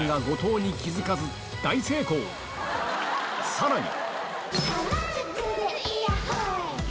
さらに！